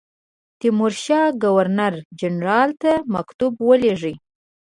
تیمورشاه ګورنر جنرال ته مکتوب ولېږی.